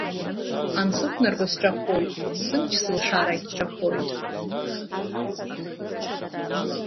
Ансықәнарго сҿахоит, сымч-сылшарагьы ҽакхоит.